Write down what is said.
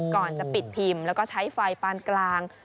ก่อนจะปิดพิมพ์แล้วก็ใช้ไฟปานกลาง